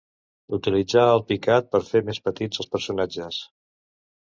Utilitzà el picat per fer més petits els personatges.